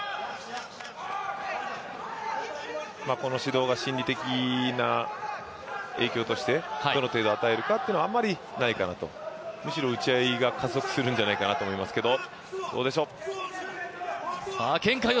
この指導が心理的な影響として、どの程度与えるのかはあんまりないかなと、むしろ打ち合いが加速するんじゃないかなと思いますけど。